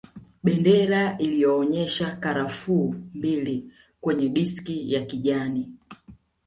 Bendera iliyoonyesha karafuu mbili kwenye diski ya kijani